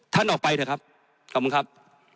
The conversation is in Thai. ท่านออกไปเถอะครับขอบคุณครับ